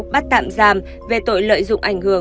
bắt tạm giam về tội lợi dụng ảnh hưởng